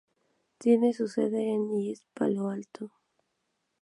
Tiene su sede en East Palo Alto.